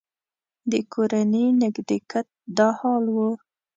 د کورني نږدېکت دا حال و.